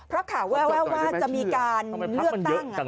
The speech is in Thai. เพราะข่าวแววว่าจะมีการเลือกตั้ง